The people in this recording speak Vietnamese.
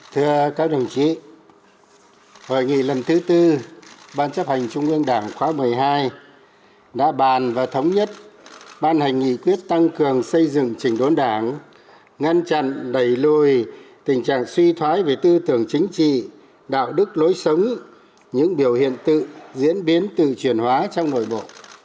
thưa các đồng chí hội nghị lần thứ tư ban chấp hành trung ương đảng khóa một mươi hai đã bàn và thống nhất ban hành nghị quyết tăng cường xây dựng chỉnh đốn đảng ngăn chặn đẩy lùi tình trạng suy thoái về tư tưởng chính trị đạo đức lối sống những biểu hiện tự diễn biến tự chuyển hóa trong nội bộ